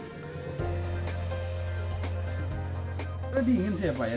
kita dingin sih ya pak ya